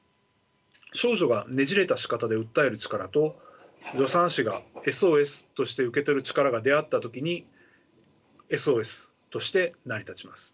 少女がねじれたしかたで訴える力と助産師がＳＯＳとして受け取る力が出会った時にＳＯＳとして成り立ちます。